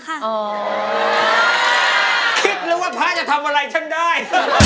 คิดเลยว่าพระจะทำอะไรฉันได้